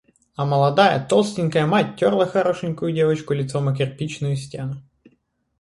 А молодая, толстенькая мать терла хорошенькую девочку лицом о кирпичную стену.